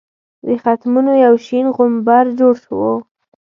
د ختمونو یو شین غومبر جوړ وو.